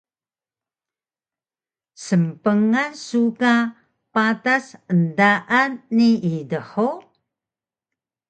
Snpgan su ka patas endaan nii dhug?